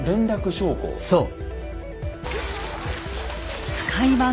そう。